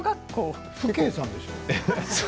父兄さんでしょう。